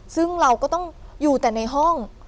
ซึ่งเราก็ต้องอยู่แต่ในห้อง